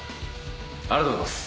ありがとうございます。